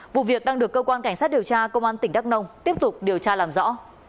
vụ việc đang được cơ quan cảnh sát điều tra công an tỉnh đắk nông tiếp tục điều tra làm rõ